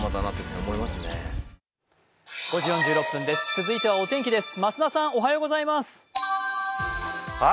続いてはお天気です。